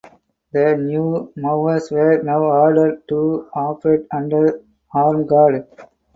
The new mowers were now ordered to operate under armed guard.